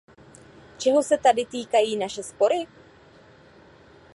Čeho se tady týkají naše spory?